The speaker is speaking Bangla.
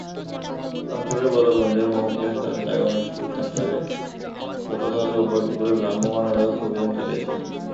রংপুরের বদরগঞ্জের মোখলেছার ডায়াগনস্টিক সেন্টারে গতকাল রোববার দুপুরে ভ্রাম্যমাণ আদালত অভিযান চালিয়েছেন।